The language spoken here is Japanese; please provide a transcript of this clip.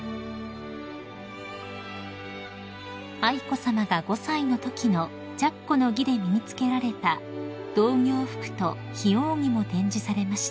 ［愛子さまが５歳のときの着袴の儀で身に着けられた童形服と檜扇も展示されました］